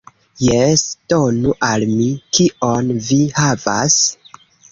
"Jes, donu al mi. Kion vi havas?"